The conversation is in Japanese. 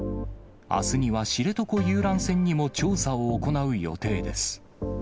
あすには知床遊覧船にも調査を行う予定です。